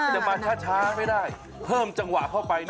เดี๋ยวมาช้าไม่ได้เพิ่มจังหวะเข้าไป